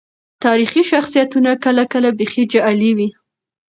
تاريخي شخصيتونه کله کله بيخي جعلي وي.